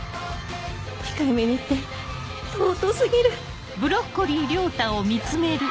控えめに言って尊過ぎる！